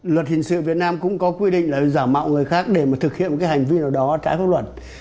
luật hình sự việt nam cũng có quy định giả mạo người khác để thực hiện hành vi nào đó trái pháp luật